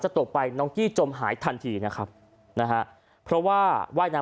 ตกไปน้องกี้จมหายทันทีนะครับนะฮะเพราะว่าว่ายน้ำ